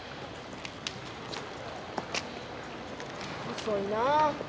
遅いなあ。